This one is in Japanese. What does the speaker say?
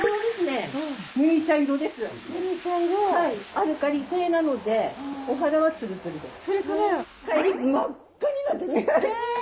アルカリ性なのでお肌はつるつるです。